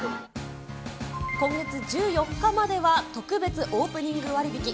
今月１４日までは、特別オープニング割り引き。